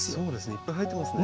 いっぱい生えてますね。